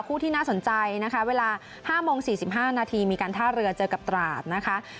ที่น่าสนใจนะคะเวลา๕โมง๔๕นาทีมีการท่าเรือเจอกับตราดนะคะ